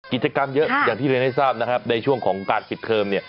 กิจกรรมเยอะอย่างที่เรียนให้ทราบนะครับในช่วงของการปิดเทอมเนี่ย